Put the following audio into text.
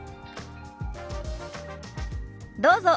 どうぞ。